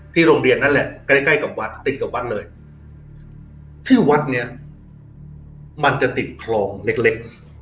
โรงเรียนนั่นแหละใกล้ใกล้กับวัดติดกับวัดเลยที่วัดเนี่ยมันจะติดคลองเล็กเล็ก